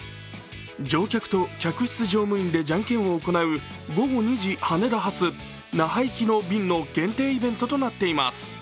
乗客と客室乗務員でじゃんけんを行う午後２時羽田発那覇行きの限定イベントとなっています。